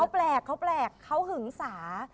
เขาแปลกเขาแปลกเขาหึงสา